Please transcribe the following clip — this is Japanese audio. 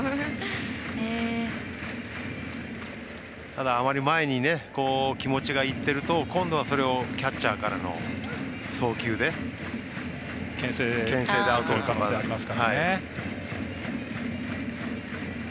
ただ、あまり前に気持ちがいっていると今度は、それをキャッチャーからのけん制でアウトをとる可能性もあります。